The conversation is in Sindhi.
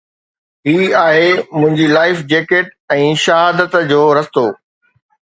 هي آهي منهنجي لائف جيڪٽ ۽ شهادت جو رستو